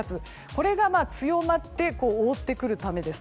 これが強まって覆ってくるためです。